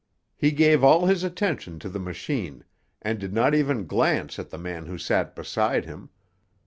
He gave all his attention to the machine, and did not even glance at the man who sat beside him.